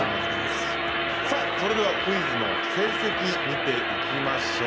それではクイズの成績見ていきましょう。